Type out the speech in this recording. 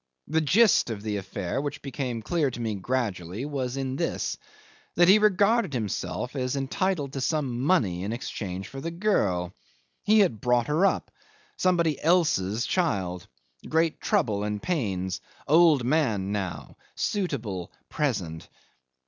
The gist of the affair, which became clear to me gradually, was in this, that he regarded himself as entitled to some money in exchange for the girl. He had brought her up. Somebody else's child. Great trouble and pains old man now suitable present.